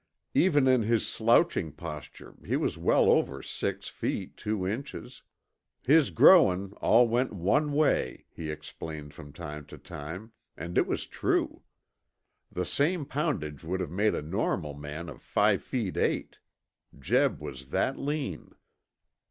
Even in his slouching posture he was well over six feet two inches. His growin' all went one way, he explained from time to time, and it was true. The same poundage would have made a normal man of five feet eight. Jeb was that lean.